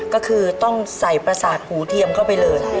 ก็คือต้องใส่ประสาทหูเทียมเข้าไปเลย